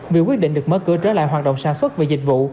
việc quyết định được mở cửa trở lại hoạt động sản xuất và dịch vụ